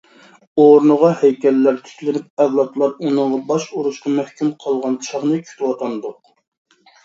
ئورنىغا ھەيكەللەر تىكلىنىپ ئەۋلاتلار ئۇنىڭغا باش ئۇرۇشقا مەھكۇم قالغان چاغنى كۈتىۋاتامدۇق؟!